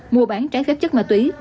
mua bán trái phép chất ma túy